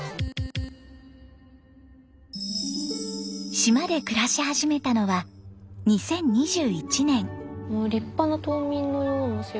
島で暮らし始めたのは２０２１年。